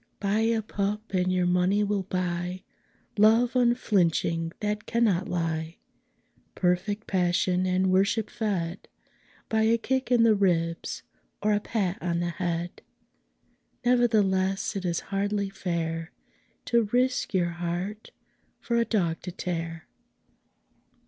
Buy a pup and your money will buy Love unflinching that cannot lie Perfect passion and worship fed By a kick in the ribs or a pat on the head. Nevertheless it is hardly fair To risk your heart for a dog to tear.